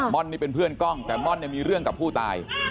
่อนนี่เป็นเพื่อนกล้องแต่ม่อนเนี่ยมีเรื่องกับผู้ตาย